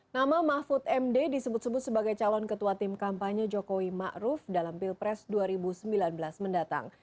nama mahfud md disebut sebut sebagai calon ketua tim kampanye jokowi ⁇ maruf ⁇ dalam pilpres dua ribu sembilan belas mendatang